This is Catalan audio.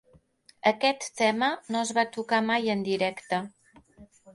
Aquest tema no es va tocar mai en directe.